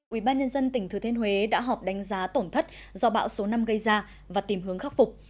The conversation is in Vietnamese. ubnd tỉnh thừa thiên huế đã họp đánh giá tổn thất do bão số năm gây ra và tìm hướng khắc phục